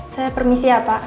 saya permisi ya pak